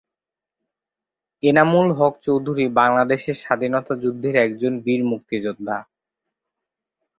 এনামুল হক চৌধুরী বাংলাদেশের স্বাধীনতা যুদ্ধের একজন বীর মুক্তিযোদ্ধা।